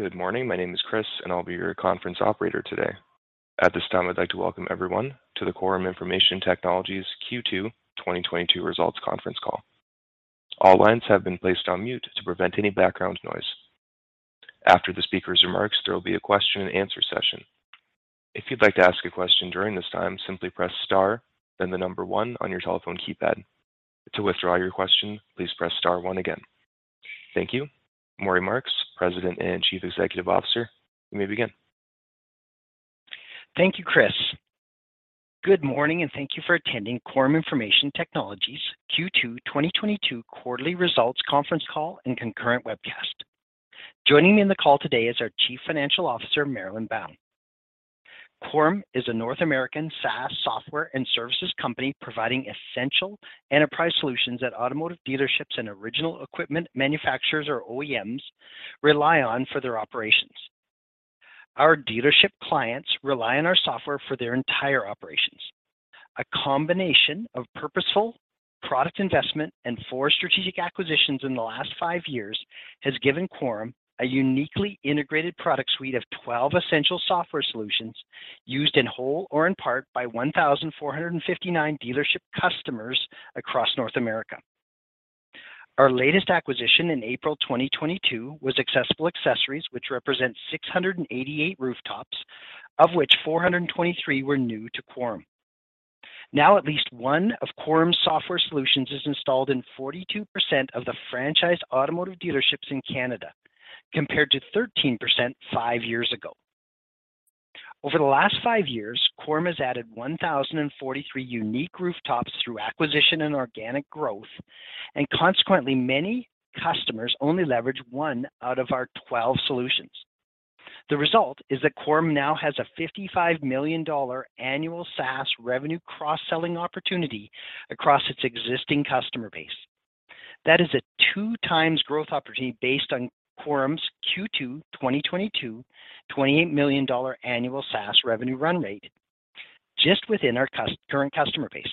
Good morning. My name is Chris, and I'll be your conference operator today. At this time, I'd like to welcome everyone to the Quorum Information Technologies Q2 2022 results conference call. All lines have been placed on mute to prevent any background noise. After the speaker's remarks, there will be a question and answer session. If you'd like to ask a question during this time, simply press star, then the number one on your telephone keypad. To withdraw your question, please press star one again. Thank you. Maury Marks, President and Chief Executive Officer, you may begin. Thank you, Chris. Good morning, and thank you for attending Quorum Information Technologies' Q2 2022 quarterly results conference call and concurrent webcast. Joining me in the call today is our Chief Financial Officer, Marilyn Bown. Quorum is a North American SaaS software and services company providing essential enterprise solutions that automotive dealerships and original equipment manufacturers, or OEMs, rely on for their operations. Our dealership clients rely on our software for their entire operations. A combination of purposeful product investment and four strategic acquisitions in the last five years has given Quorum a uniquely integrated product suite of twelve essential software solutions used in whole or in part by 1,459 dealership customers across North America. Our latest acquisition in April 2022 was Accessible Accessories, which represents 688 rooftops, of which 423 were new to Quorum. Now, at least one of Quorum's software solutions is installed in 42% of the franchised automotive dealerships in Canada, compared to 13% five years ago. Over the last five years, Quorum has added 1,043 unique rooftops through acquisition and organic growth, and consequently, many customers only leverage one out of our 12 solutions. The result is that Quorum now has a 55 million dollar annual SaaS revenue cross-selling opportunity across its existing customer base. That is a 2 times growth opportunity based on Quorum's Q2 2022 28 million dollar annual SaaS revenue run rate just within our current customer base.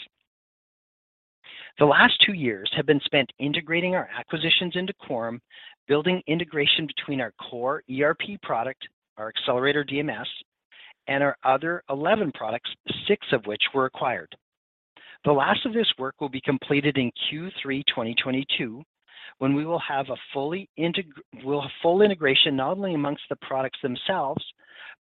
The last two years have been spent integrating our acquisitions into Quorum, building integration between our core ERP product, our XSELLERATOR DMS, and our other 11 products, six of which were acquired. The last of this work will be completed in Q3 2022, when we will have full integration not only amongst the products themselves,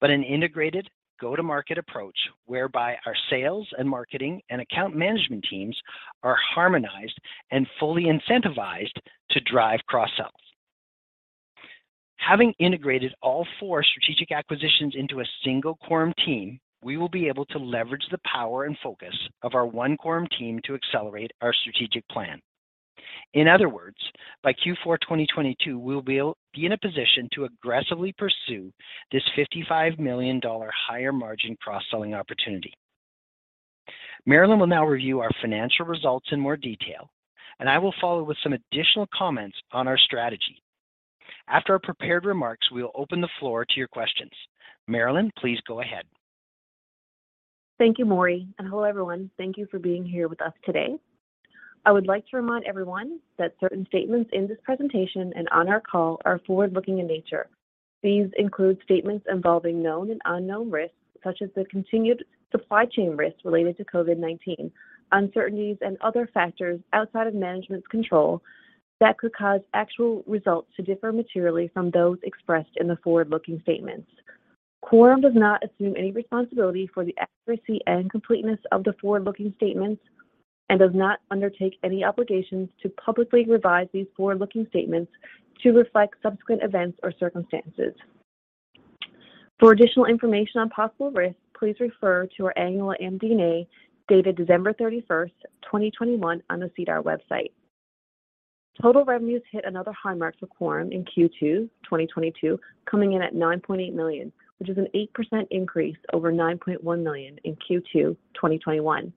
but an integrated go-to-market approach whereby our sales and marketing and account management teams are harmonized and fully incentivized to drive cross-sells. Having integrated all four strategic acquisitions into a single Quorum team, we will be able to leverage the power and focus of our one Quorum team to accelerate our strategic plan. In other words, by Q4 2022, we will be in a position to aggressively pursue this 55 million dollar higher-margin cross-selling opportunity. Marilyn will now review our financial results in more detail, and I will follow with some additional comments on our strategy. After our prepared remarks, we will open the floor to your questions. Marilyn, please go ahead. Thank you, Maury, and hello, everyone. Thank you for being here with us today. I would like to remind everyone that certain statements in this presentation and on our call are forward-looking in nature. These include statements involving known and unknown risks, such as the continued supply chain risks related to COVID-19, uncertainties and other factors outside of management's control that could cause actual results to differ materially from those expressed in the forward-looking statements. Quorum does not assume any responsibility for the accuracy and completeness of the forward-looking statements and does not undertake any obligations to publicly revise these forward-looking statements to reflect subsequent events or circumstances. For additional information on possible risks, please refer to our annual MD&A dated December 31, 2021 on the SEDAR website. Total revenues hit another high mark for Quorum in Q2 2022, coming in at 9.8 million, which is an 8% increase over 9.1 million in Q2 2021.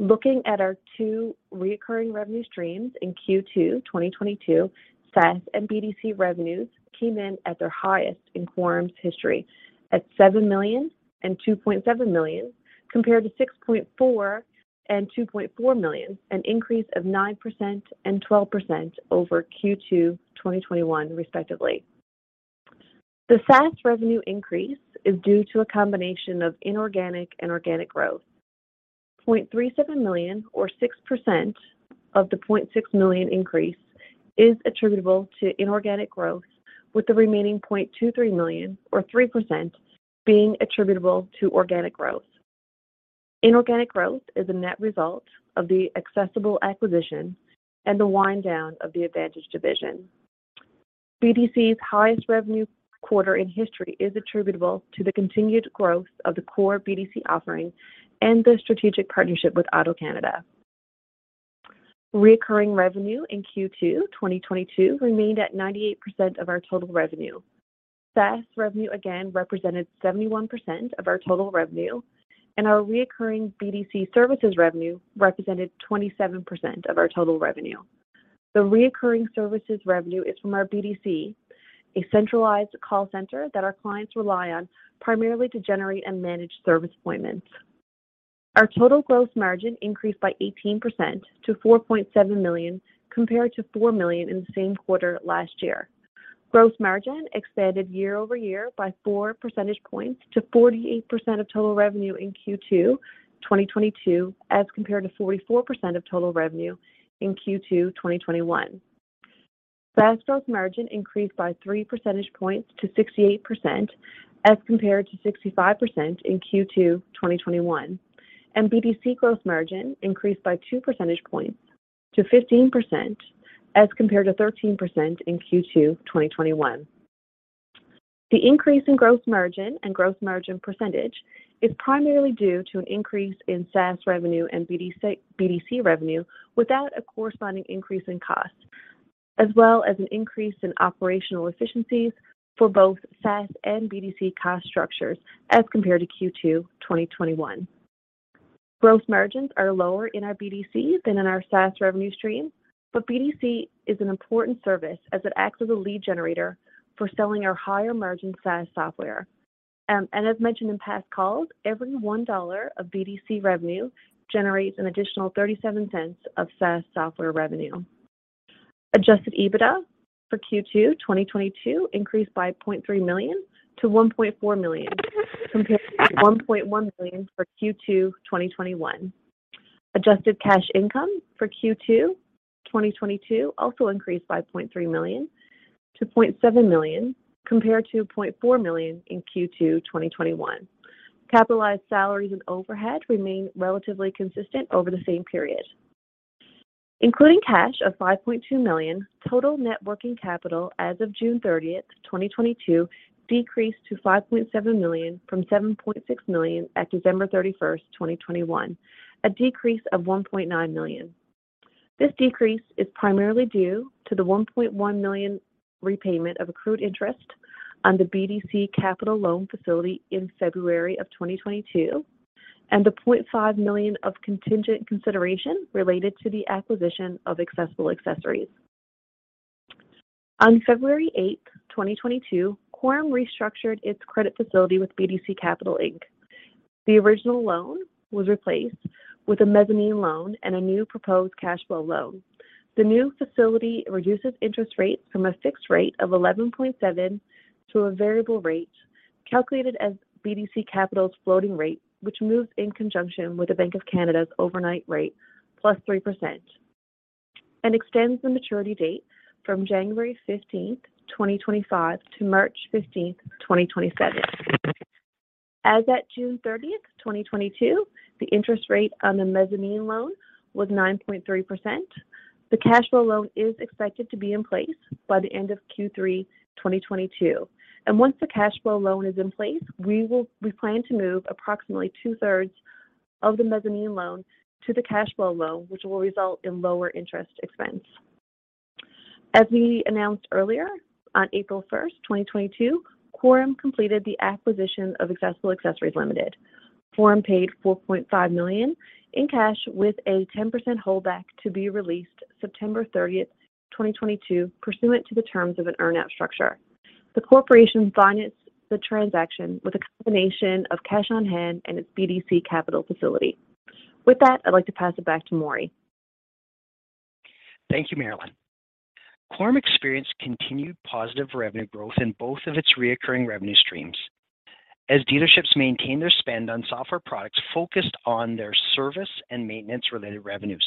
Looking at our two recurring revenue streams in Q2 2022, SaaS and BDC revenues came in at their highest in Quorum's history at 7 million and 2.7 million, compared to 6.4 million and 2.4 million, an increase of 9% and 12% over Q2 2021, respectively. The SaaS revenue increase is due to a combination of inorganic and organic growth. 0.37 million or 6% of the 0.6 million increase is attributable to inorganic growth, with the remaining 0.23 million or 3% being attributable to organic growth. Inorganic growth is a net result of the Accessible acquisition and the wind down of the Autovance division. BDC's highest revenue quarter in history is attributable to the continued growth of the core BDC offering and the strategic partnership with AutoCanada. Recurring revenue in Q2 2022 remained at 98% of our total revenue. SaaS revenue again represented 71% of our total revenue, and our recurring BDC services revenue represented 27% of our total revenue. The recurring services revenue is from our BDC, a centralized call center that our clients rely on primarily to generate and manage service appointments. Our total gross margin increased by 18% to 4.7 million compared to 4 million in the same quarter last year. Gross margin expanded year-over-year by 4 percentage points to 48% of total revenue in Q2 2022, as compared to 44% of total revenue in Q2 2021. SaaS gross margin increased by 3 percentage points to 68% as compared to 65% in Q2 2021, and BDC gross margin increased by 2 percentage points to 15% as compared to 13% in Q2 2021. The increase in gross margin and gross margin percentage is primarily due to an increase in SaaS revenue and BDC revenue without a corresponding increase in cost, as well as an increase in operational efficiencies for both SaaS and BDC cost structures as compared to Q2 2021. Gross margins are lower in our BDC than in our SaaS revenue stream, but BDC is an important service as it acts as a lead generator for selling our higher margin SaaS software. As mentioned in past calls, every 1 dollar of BDC revenue generates an additional 0.37 of SaaS software revenue. Adjusted EBITDA for Q2 2022 increased by 0.3 million to 1.4 million compared to 1.1 million for Q2 2021. Adjusted cash income for Q2 2022 also increased by 0.3 million to 0.7 million, compared to 0.4 million in Q2 2021. Capitalized salaries and overhead remain relatively consistent over the same period. Including cash of 5.2 million, total net working capital as of June 30, 2022 decreased to 5.7 million from 7.6 million at December 31, 2021, a decrease of 1.9 million. This decrease is primarily due to the 1.1 million repayment of accrued interest on the BDC Capital loan facility in February 2022 and the 0.5 million of contingent consideration related to the acquisition of Accessible Accessories. On February 8, 2022, Quorum restructured its credit facility with BDC Capital Inc. The original loan was replaced with a mezzanine loan and a new proposed cash flow loan. The new facility reduces interest rates from a fixed rate of 11.7 to a variable rate calculated as BDC Capital's floating rate, which moves in conjunction with the Bank of Canada's overnight rate plus 3% and extends the maturity date from January 15, 2025 to March 15, 2027. As at June 30, 2022, the interest rate on the mezzanine loan was 9.3%. The cash flow loan is expected to be in place by the end of Q3 2022. Once the cash flow loan is in place, we plan to move approximately two-thirds of the mezzanine loan to the cash flow loan, which will result in lower interest expense. As we announced earlier on April 1, 2022, Quorum completed the acquisition of Accessible Accessories Ltd. Quorum paid 4.5 million in cash with a 10% holdback to be released September 30, 2022, pursuant to the terms of an earn-out structure. The corporation financed the transaction with a combination of cash on hand and its BDC Capital facility. With that, I'd like to pass it back to Maury. Thank you, Marilyn. Quorum experienced continued positive revenue growth in both of its recurring revenue streams as dealerships maintain their spend on software products focused on their service and maintenance-related revenues.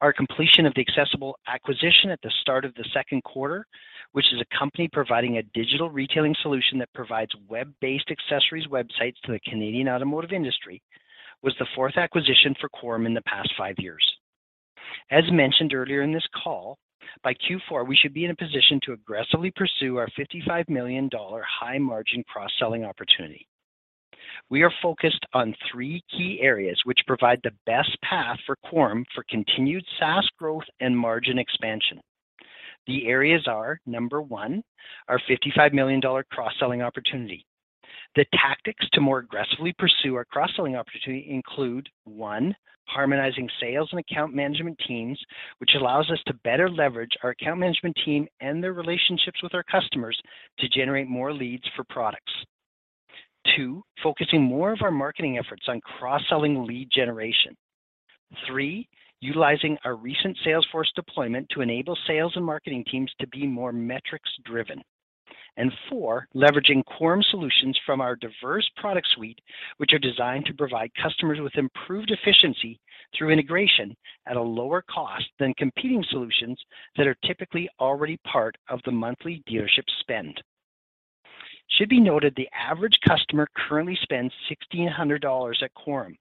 Our completion of the Accessible Accessories acquisition at the start of the second quarter, which is a company providing a digital retailing solution that provides web-based accessories websites to the Canadian automotive industry, was the fourth acquisition for Quorum in the past five years. As mentioned earlier in this call, by Q4, we should be in a position to aggressively pursue our 55 million dollar high margin cross-selling opportunity. We are focused on three key areas which provide the best path for Quorum for continued SaaS growth and margin expansion. The areas are, number one, our 55 million dollar cross-selling opportunity. The tactics to more aggressively pursue our cross-selling opportunity include, one, harmonizing sales and account management teams, which allows us to better leverage our account management team and their relationships with our customers to generate more leads for products. Two, focusing more of our marketing efforts on cross-selling lead generation. Three, utilizing our recent Salesforce deployment to enable sales and marketing teams to be more metrics-driven. Four, leveraging Quorum solutions from our diverse product suite, which are designed to provide customers with improved efficiency through integration at a lower cost than competing solutions that are typically already part of the monthly dealership spend. It should be noted the average customer currently spends 1,600 dollars at Quorum.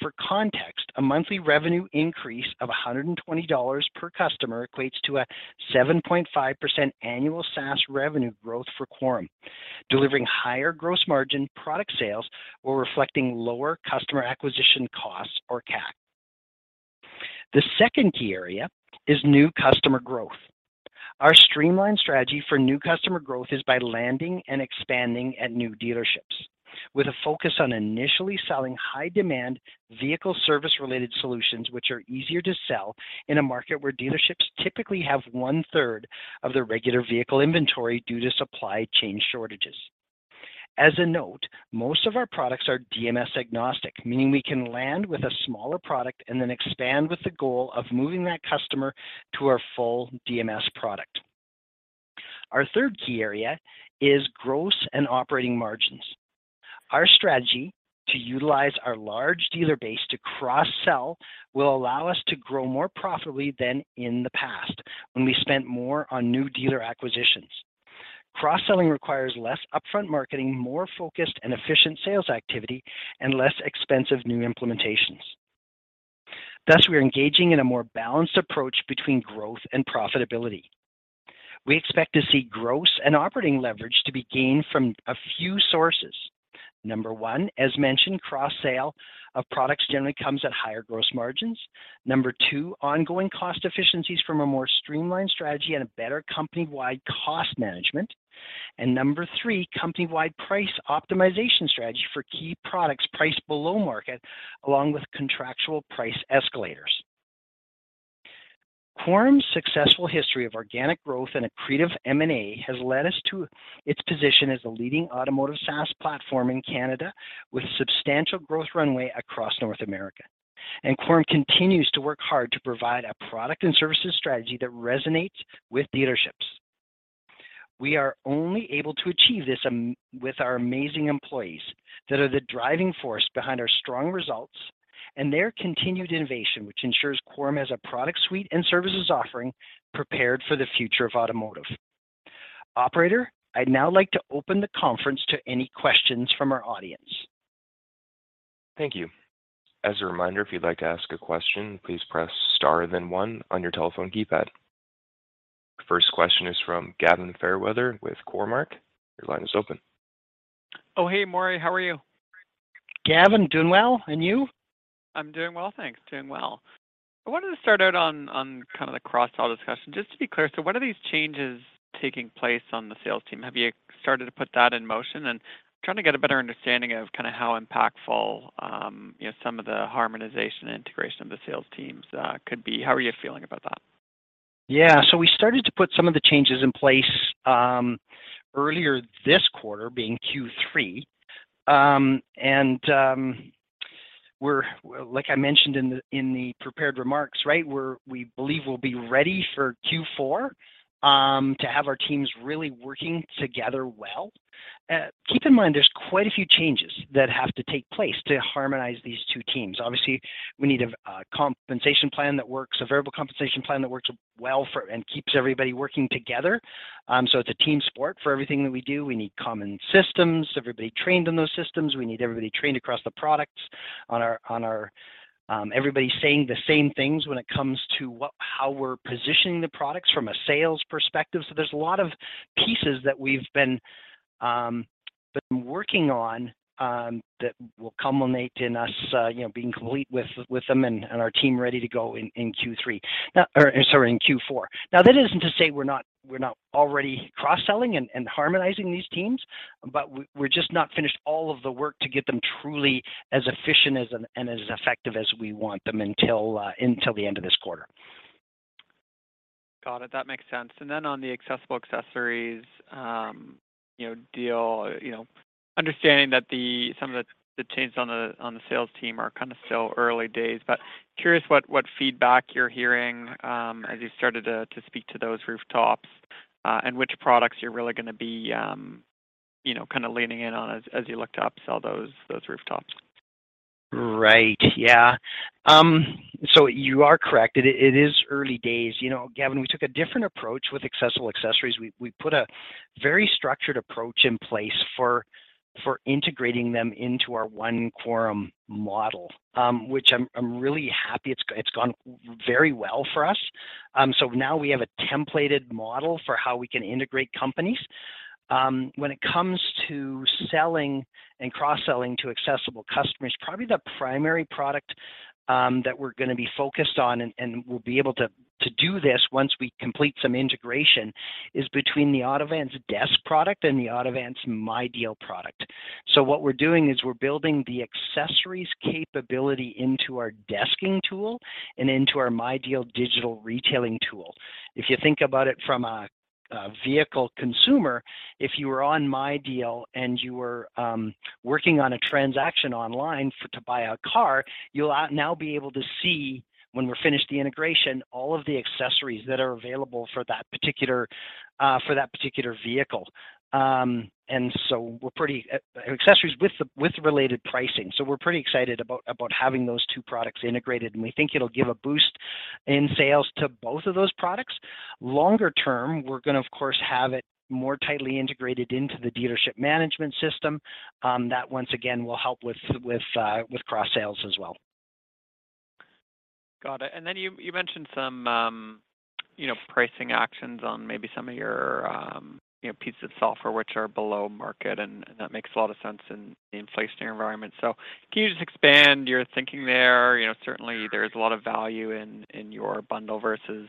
For context, a monthly revenue increase of 120 dollars per customer equates to a 7.5% annual SaaS revenue growth for Quorum, delivering higher gross margin product sales while reflecting lower customer acquisition costs or CAC. The second key area is new customer growth. Our streamlined strategy for new customer growth is by landing and expanding at new dealerships with a focus on initially selling high-demand vehicle service-related solutions, which are easier to sell in a market where dealerships typically have 1/3 of their regular vehicle inventory due to supply chain shortages. As a note, most of our products are DMS-agnostic, meaning we can land with a smaller product and then expand with the goal of moving that customer to our full DMS product. Our third key area is gross and operating margins. Our strategy to utilize our large dealer base to cross-sell will allow us to grow more profitably than in the past when we spent more on new dealer acquisitions. Cross-selling requires less upfront marketing, more focused and efficient sales activity, and less expensive new implementations. Thus, we are engaging in a more balanced approach between growth and profitability. We expect to see gross and operating leverage to be gained from a few sources. Number one, as mentioned, cross-sale of products generally comes at higher gross margins. Number two, ongoing cost efficiencies from a more streamlined strategy and a better company-wide cost management. Number three, company-wide price optimization strategy for key products priced below market along with contractual price escalators. Quorum's successful history of organic growth and accretive M&A has led us to its position as a leading automotive SaaS platform in Canada with substantial growth runway across North America. Quorum continues to work hard to provide a product and services strategy that resonates with dealerships. We are only able to achieve this with our amazing employees that are the driving force behind our strong results and their continued innovation, which ensures Quorum has a product suite and services offering prepared for the future of automotive. Operator, I'd now like to open the conference to any questions from our audience. Thank you. As a reminder, if you'd like to ask a question, please press star then one on your telephone keypad. First question is from Gavin Fairweather with Cormark. Your line is open. Oh, hey, Maury. How are you? Gavin, doing well. And you? I'm doing well, thanks. Doing well. I wanted to start out on kind of the cross-sell discussion just to be clear. What are these changes taking place on the sales team? Have you started to put that in motion and trying to get a better understanding of kind of how impactful, you know, some of the harmonization integration of the sales teams could be. How are you feeling about that? Yeah. We started to put some of the changes in place earlier this quarter being Q3. Like I mentioned in the prepared remarks, right? We believe we'll be ready for Q4 to have our teams really working together well. Keep in mind, there's quite a few changes that have to take place to harmonize these two teams. Obviously, we need a compensation plan that works, a variable compensation plan that works well for and keeps everybody working together. It's a team sport for everything that we do. We need common systems, everybody trained on those systems. We need everybody trained across the products, everybody saying the same things when it comes to how we're positioning the products from a sales perspective. There's a lot of pieces that we've been working on that will culminate in us you know being complete with them and our team ready to go in Q3. Or, sorry, in Q4. Now, that isn't to say we're not already cross-selling and harmonizing these teams, but we're just not finished all of the work to get them truly as efficient and as effective as we want them until the end of this quarter. Got it. That makes sense. Then on the Accessible Accessories, you know, deal, you know, understanding that some of the changes on the sales team are kind of still early days, but curious what feedback you're hearing, as you started to speak to those rooftops, and which products you're really gonna be, you know, kind of leaning in on as you look to upsell those rooftops. Right. Yeah. You are correct. It is early days. You know, Gavin, we took a different approach with Accessible Accessories. We put a very structured approach in place for integrating them into our One Quorum model, which I'm really happy it's gone very well for us. Now we have a templated model for how we can integrate companies. When it comes to selling and cross-selling to Accessible customers, probably the primary product that we're gonna be focused on and we'll be able to do this once we complete some integration is between the Autovance Desk product and the Autovance MyDeal product. What we're doing is we're building the accessories capability into our desking tool and into our MyDeal digital retailing tool. If you think about it from a vehicle consumer, if you were on MyDeal and you were working on a transaction online to buy a car, you'll now be able to see when we're finished the integration, all of the accessories that are available for that particular vehicle, accessories with the related pricing. We're pretty excited about having those two products integrated, and we think it'll give a boost in sales to both of those products. Longer term, we're gonna of course have it more tightly integrated into the dealership management system that once again will help with cross-sales as well. Got it. Then you mentioned some, you know, pricing actions on maybe some of your, you know, pieces of software which are below market, and that makes a lot of sense in the inflationary environment. Can you just expand your thinking there? You know, certainly there's a lot of value in your bundle versus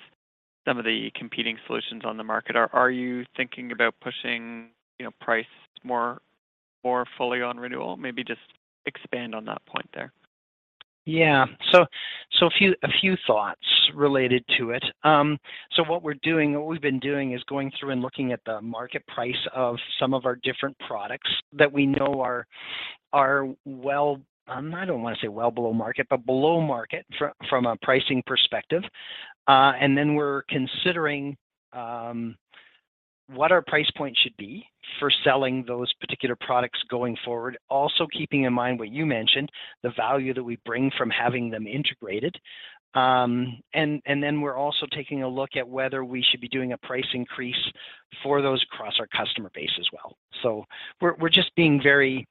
some of the competing solutions on the market. Are you thinking about pushing, you know, price more fully on renewal? Maybe just expand on that point there. Yeah. A few thoughts related to it. What we've been doing is going through and looking at the market price of some of our different products that we know are well. I don't wanna say well below market, but below market from a pricing perspective. Then we're considering what our price point should be for selling those particular products going forward. Keeping in mind what you mentioned, the value that we bring from having them integrated. Then we're also taking a look at whether we should be doing a price increase for those across our customer base as well. We're just being very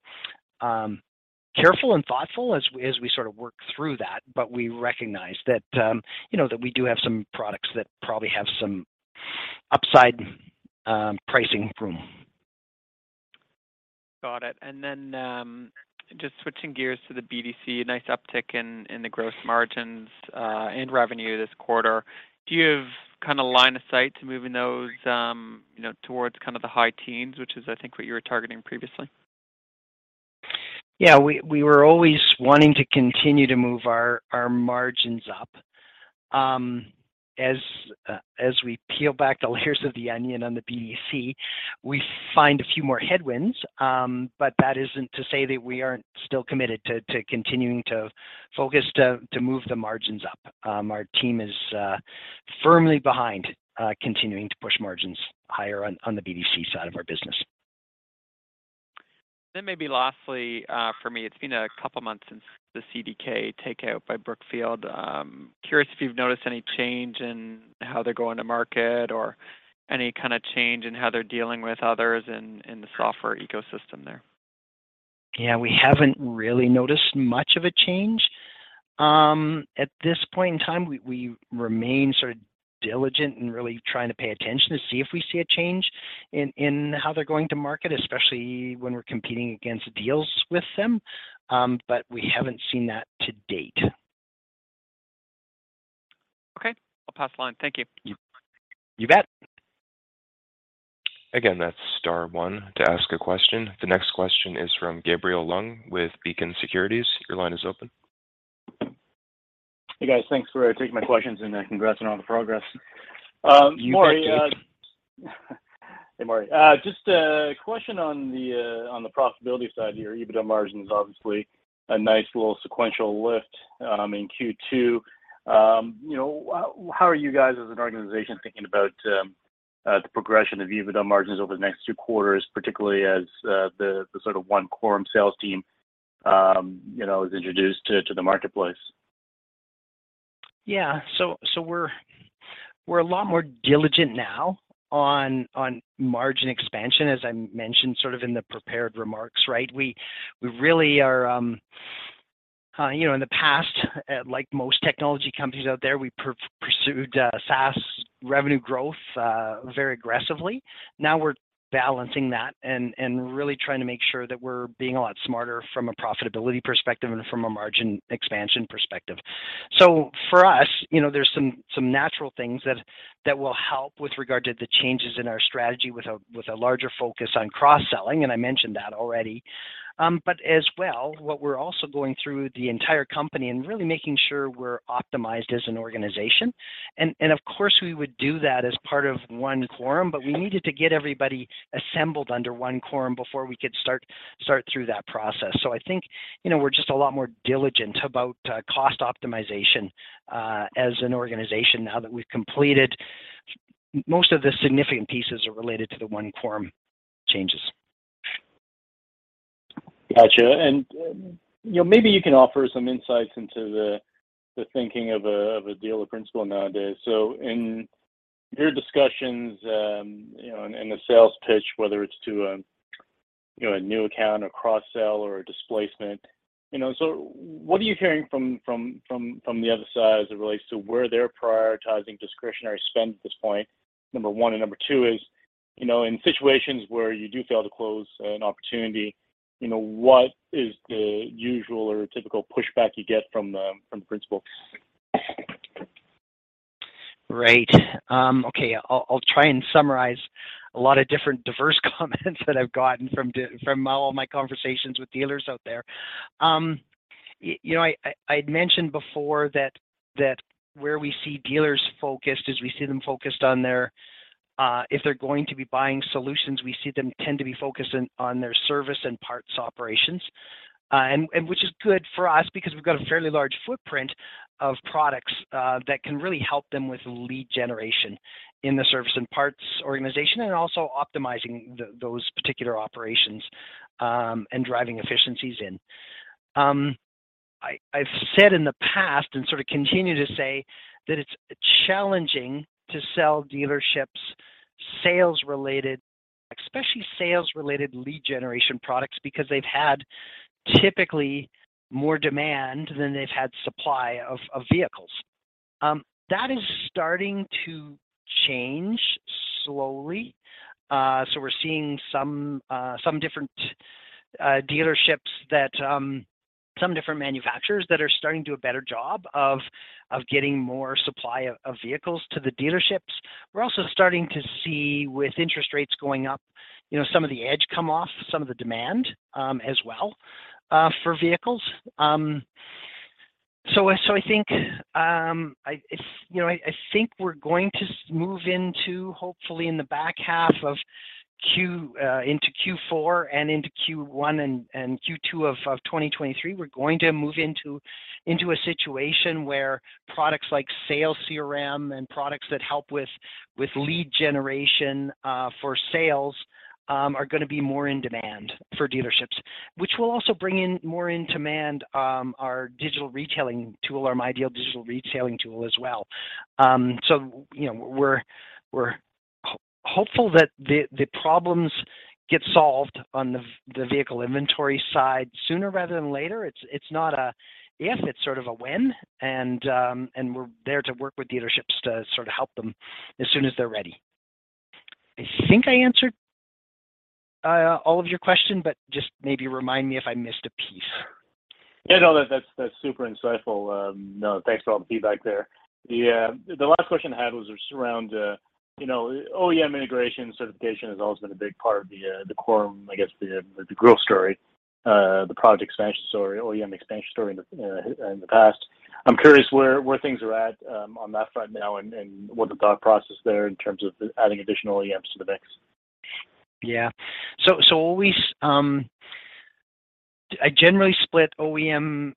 careful and thoughtful as we sort of work through that, but we recognize that, you know, that we do have some products that probably have some upside pricing room. Got it. Just switching gears to the BDC, nice uptick in the gross margins, and revenue this quarter. Do you have kinda line of sight to moving those, you know, towards kind of the high teens, which is I think what you were targeting previously? Yeah. We were always wanting to continue to move our margins up. As we peel back the layers of the onion on the BDC, we find a few more headwinds. That isn't to say that we aren't still committed to continuing to focus to move the margins up. Our team is firmly behind continuing to push margins higher on the BDC side of our business. Maybe lastly, for me, it's been a couple months since the CDK takeout by Brookfield. Curious if you've noticed any change in how they're going to market or any kind of change in how they're dealing with others in the software ecosystem there. Yeah, we haven't really noticed much of a change. At this point in time, we remain sort of diligent and really trying to pay attention to see if we see a change in how they're going to market, especially when we're competing against deals with them. We haven't seen that to date. Okay. I'll pass the line. Thank you. You bet. Again, that's star one to ask a question. The next question is from Gabriel Leung with Beacon Securities. Your line is open. Hey, guys. Thanks for taking my questions, and, congrats on all the progress. You bet. Maury, hey, Maury. Just a question on the profitability side here. EBITDA margin is obviously a nice little sequential lift in Q2. You know, how are you guys as an organization thinking about the progression of EBITDA margins over the next two quarters, particularly as the sort of One Quorum sales team, you know, is introduced to the marketplace? Yeah. We're a lot more diligent now on margin expansion, as I mentioned, sort of in the prepared remarks, right? We really are, you know, in the past, like most technology companies out there, we pursued SaaS revenue growth very aggressively. Now we're balancing that and really trying to make sure that we're being a lot smarter from a profitability perspective and from a margin expansion perspective. For us, you know, there's some natural things that will help with regard to the changes in our strategy with a larger focus on cross-selling, and I mentioned that already. As well, what we're also going through the entire company and really making sure we're optimized as an organization. Of course we would do that as part of One Quorum, but we needed to get everybody assembled under One Quorum before we could start through that process. I think, you know, we're just a lot more diligent about cost optimization as an organization now that we've completed most of the significant pieces related to the One Quorum changes. Gotcha. You know, maybe you can offer some insights into the thinking of a dealer principal nowadays. In your discussions, you know, and the sales pitch, whether it's to a, you know, a new account, a cross-sell, or a displacement, you know, so what are you hearing from the other side as it relates to where they're prioritizing discretionary spend at this point, number one? Number two is, you know, in situations where you do fail to close an opportunity, you know, what is the usual or typical pushback you get from the principal? Right. Okay, I'll try and summarize a lot of different diverse comments that I've gotten from from all my conversations with dealers out there. You know, I'd mentioned before that where we see dealers focused is we see them focused on their if they're going to be buying solutions, we see them tend to be focused on their service and parts operations. Which is good for us because we've got a fairly large footprint of products that can really help them with lead generation in the service and parts organization, and also optimizing those particular operations, and driving efficiencies in. I've said in the past and sort of continue to say that it's challenging to sell dealerships sales related, especially sales related lead generation products, because they've had typically more demand than they've had supply of vehicles. That is starting to change slowly. We're seeing some different dealerships that some different manufacturers that are starting to do a better job of getting more supply of vehicles to the dealerships. We're also starting to see with interest rates going up. You know, some of the edge come off, some of the demand, as well, for vehicles. I think we're going to move into, hopefully in the back half of Q into Q4 and into Q1 and Q2 of 2023, we're going to move into a situation where products like sales CRM and products that help with lead generation for sales are gonna be more in demand for dealerships, which will also bring in more in demand our digital retailing tool, our MyDeal digital retailing tool as well. You know, we're hopeful that the problems get solved on the vehicle inventory side sooner rather than later. It's not a if, it's sort of a when. We're there to work with dealerships to sort of help them as soon as they're ready.I think I answered all of your question, but just maybe remind me if I missed a piece. Yeah, no, that's super insightful. No, thanks for all the feedback there. The last question I had was just around, you know, OEM integration certification has always been a big part of the Quorum, I guess the growth story, the product expansion story, OEM expansion story in the past. I'm curious where things are at on that front now and what the thought process there in terms of adding additional OEMs to the mix. I generally split OEM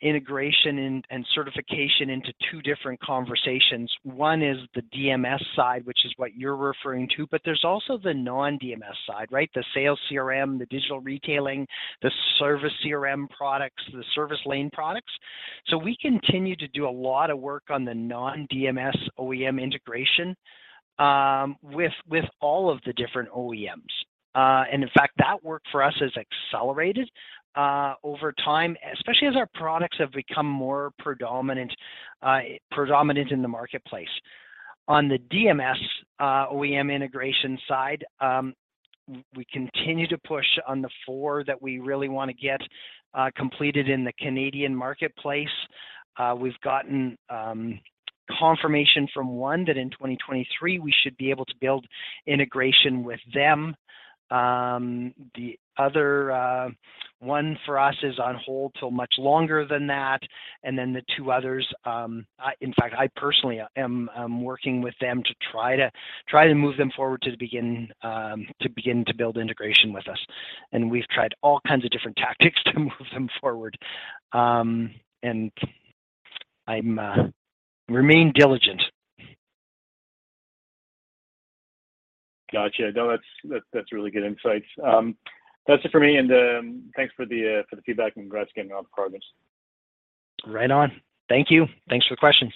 integration and certification into two different conversations. One is the DMS side, which is what you're referring to, but there's also the non-DMS side, right? The sales CRM, the digital retailing, the service CRM products, the service lane products. We continue to do a lot of work on the non-DMS OEM integration with all of the different OEMs. In fact, that work for us has accelerated over time, especially as our products have become more predominant in the marketplace. On the DMS OEM integration side, we continue to push on the four that we really wanna get completed in the Canadian marketplace. We've gotten confirmation from one that in 2023 we should be able to build integration with them. The other one for us is on hold till much longer than that. Then the two others, in fact, I personally am working with them to try to move them forward to begin to build integration with us. We've tried all kinds of different tactics to move them forward. I remain diligent. Gotcha. No, that's really good insights. That's it for me. Thanks for the feedback and congrats again on the progress. Right on. Thank you. Thanks for the questions.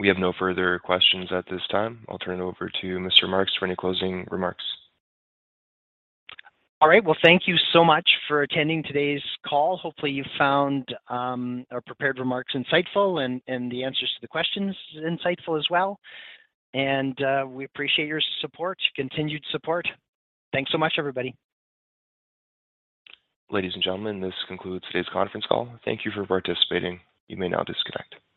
We have no further questions at this time. I'll turn it over to Mr. Marks for any closing remarks. All right. Well, thank you so much for attending today's call. Hopefully, you found our prepared remarks insightful and the answers to the questions insightful as well. We appreciate your support, continued support. Thanks so much, everybody. Ladies and gentlemen, this concludes today's conference call. Thank you for participating. You may now disconnect.